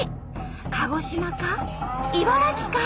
鹿児島か？